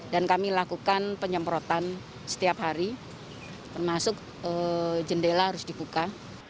dan kami lakukan penyemprotan setiap hari termasuk jendela harus dibuka